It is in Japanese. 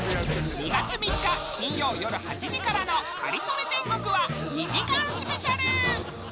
２月３日金曜よる８時からの『かりそめ天国』は２時間スペシャル！